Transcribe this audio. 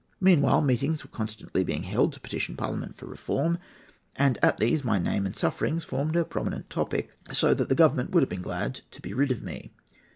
"Meanwhile meetings were constantly being held to petition Parliament for reform, and at these my name and sufferings formed a prominent topic, so that the Government would have been glad to be rid of me.